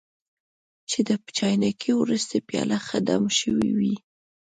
چې د چاینکې وروستۍ پیاله ښه دم شوې وي.